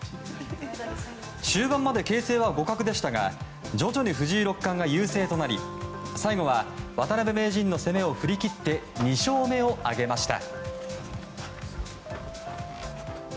終盤まで形勢は互角でしたが徐々に藤井六冠が優勢となり最後は渡辺名人の攻めを振り切って２勝目を挙げました。